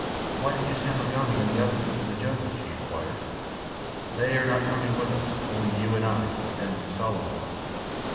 "Why did you send Mugambi and the others into the jungle?" she inquired. "They are not coming with us—only you and I, and the Mosula woman."